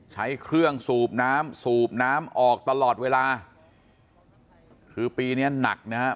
ใช้เครื่องสูบน้ำสูบน้ำออกตลอดเวลาคือปีเนี้ยหนักนะฮะ